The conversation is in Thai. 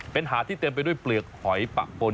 เป็นหาดที่เต็มไปด้วยเปลือกหอยปะปน